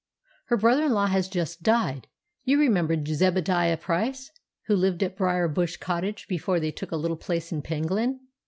Her brother in law has just died—you remember Zebadiah Price, who lived at Briar Bush Cottage before they took a little place at Penglyn?